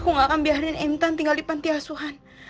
aku gak akan biarin intan tinggal di panti asuhan